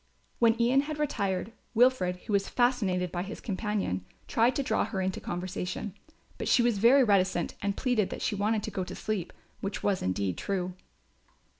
When Ian had retired, Wilfred, who was fascinated by his companion, tried to draw her into conversation; but she was very reticent and pleaded that she wanted to go to sleep, which was indeed true.